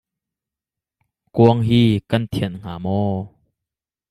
Kuang hi kan thianh hnga maw?